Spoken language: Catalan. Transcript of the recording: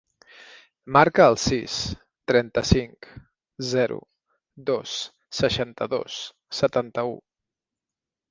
Marca el sis, trenta-cinc, zero, dos, seixanta-dos, setanta-u.